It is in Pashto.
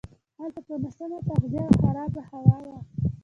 هلته به ناسمه تغذیه او خرابه هوا وه.